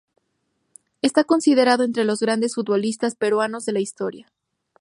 Está considerado entre los grandes futbolistas peruanos de la historia.